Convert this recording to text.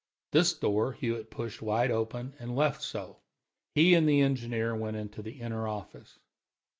This door Hewitt pushed wide open, and left so. He and the engineer went into the inner office.